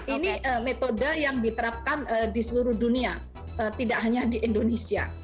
ini metode yang diterapkan di seluruh dunia tidak hanya di indonesia